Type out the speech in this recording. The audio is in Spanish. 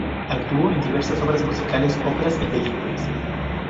Actuó en diversas obras, musicales, óperas y películas.